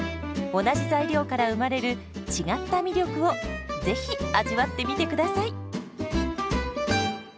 同じ材料から生まれる違った魅力をぜひ味わってみてください。